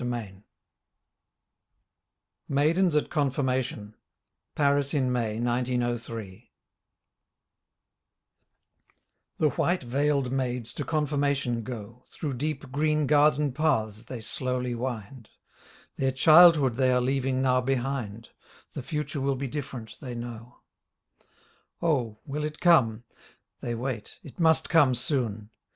30 MAIDENS AT CONFIRMATION (Paris in May, 1903) The white veiled maids to confirmation go Through deep green garden paths they slowly wind; Their childhood they are leaving now behind : The future will be different, they know. Oh! Will it come? They wait — It must come soon!